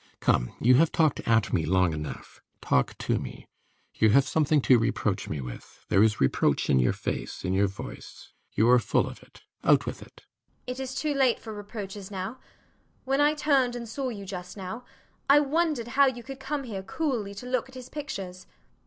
Come! you have talked at me long enough. Talk to me. You have something to reproach me with. There is reproach in your face, in your voice: you are full of it. Out with it. JENNIFER. It is too late for reproaches now. When I turned and saw you just now, I wondered how you could come here coolly to look at his pictures.